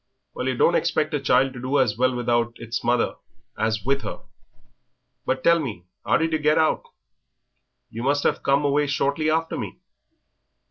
"Well, yer don't expect a child to do as well without its mother as with her. But tell me, how did yer get out? You must have come away shortly after me."